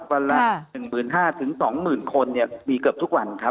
วันละ๑๕๐๐นตรีถึง๒๐๐๐คนมีกลับทุกวันครับ